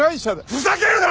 ふざけるな！